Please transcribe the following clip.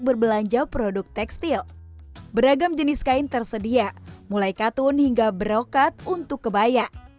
berbelanja produk tekstil beragam jenis kain tersedia mulai katun hingga berokat untuk kebaya